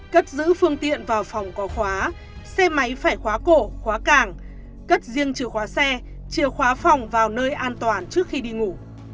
cất giữ phương tiện vào phòng có khóa xe máy phải khóa cổ khóa càng cất riêng chìa khóa xe chìa khóa phòng vào nơi an toàn trước khi đi ngủ